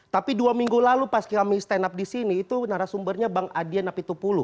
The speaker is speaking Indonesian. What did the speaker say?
tapi dua minggu lalu pas kami stand up di sini itu narasumbernya bang adian apitupulu